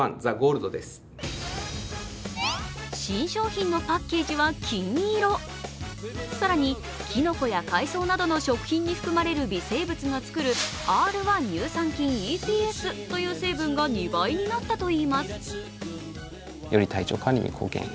新商品のパッケージは金色更にきのこや海藻などの食品に含まれる微生物が作るＲ−１乳酸菌ＥＰＳという成分が２倍になったといいます。